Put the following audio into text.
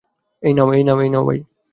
এই নাও, ভাই।